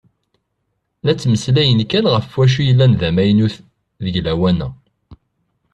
La ttmeslayen kan ɣef wacu yellan d amaynut deg lawan-a.